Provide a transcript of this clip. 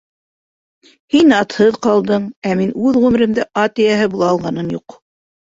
Һин атһыҙ ҡалдың, ә мин үҙ ғүмеремдә ат эйәһе була алғаным юҡ.